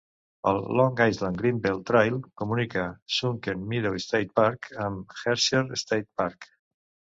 El Long Island Greenbelt Trail comunica Sunken Meadow State Park amb Heckscher State Park.